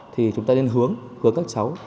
thì chúng ta nên hướng hướng các cháu